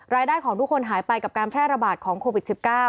รายได้ของทุกคนหายไปกับการแพร่ระบาดของโควิด๑๙